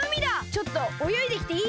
ちょっとおよいできていい？